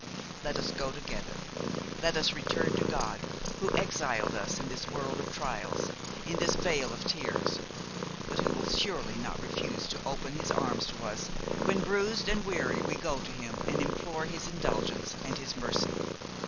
Let us go together; let us return to God, who exiled us in this world of trials, in this vale of tears, but who will surely not refuse to open His arms to us when, bruised and weary, we go to Him and implore His indulgence and His mercy.